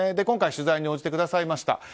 今回、取材に応じてくださいました。